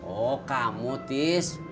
oh kamu tis